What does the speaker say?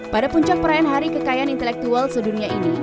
pada puncak perayaan hari kekayaan intelektual sedunia ini